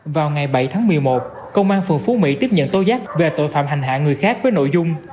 vào ngày bảy tháng một mươi một công an phường phú mỹ tiếp nhận tố giác về tội phạm hành hạ người khác với nội dung